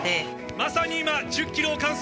まさに今、１０キロを完走。